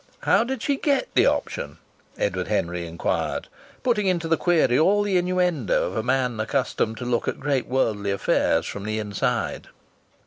"How did she get the option?" Edward Henry inquired, putting into the query all the innuendo of a man accustomed to look at great worldly affairs from the inside.